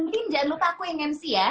mungkin jangan lupa aku yang mc ya